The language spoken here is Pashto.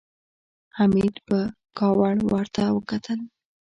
حميد په کاوړ ورته وکتل.